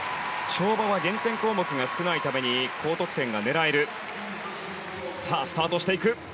跳馬は減点項目が少ないために高得点が狙える。